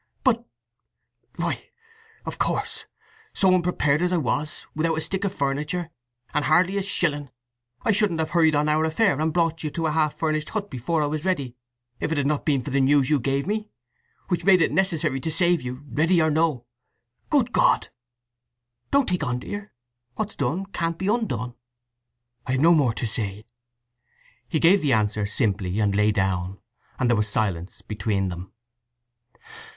"But—! Why, of course, so unprepared as I was, without a stick of furniture, and hardly a shilling, I shouldn't have hurried on our affair, and brought you to a half furnished hut before I was ready, if it had not been for the news you gave me, which made it necessary to save you, ready or no… Good God!" "Don't take on, dear. What's done can't be undone." "I have no more to say!" He gave the answer simply, and lay down; and there was silence between them.